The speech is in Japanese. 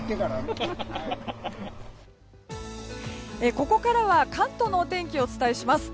ここからは関東のお天気をお伝えします。